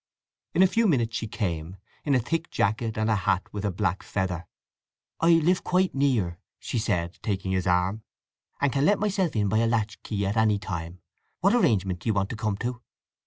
In a few minutes she came, in a thick jacket and a hat with a black feather. "I live quite near," she said, taking his arm, "and can let myself in by a latch key at any time. What arrangement do you want to come to?"